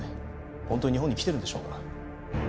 本当に日本に来てるんでしょうか